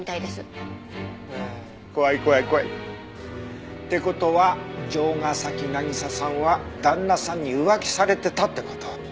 はあ怖い怖い怖い。って事は城ヶ崎渚さんは旦那さんに浮気されてたって事？